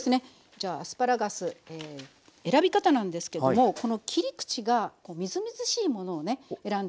じゃあアスパラガス選び方なんですけどもこの切り口がみずみずしいものをね選んで頂くと。